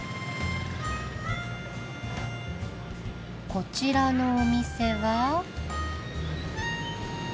こちらのお店は。